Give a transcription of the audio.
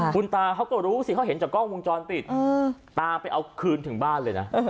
คุณตาเขาก็รู้สิเขาเห็นจากกล้องวงจรปิดตาไปเอาคืนถึงบ้านเลยนะ